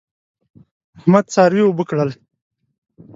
احمد څاروي اوبه کړل.